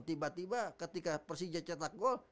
tiba tiba ketika persija cetak gol